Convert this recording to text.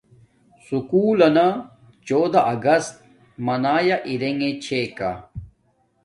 سکُول لنا چودہ اگست منایا ارݣگے چھے کا